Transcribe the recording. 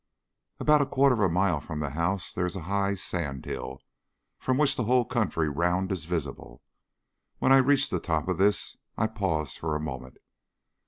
About a quarter of a mile from the house there is a high sand hill, from which the whole country round is visible. When I reached the top of this I paused for a moment.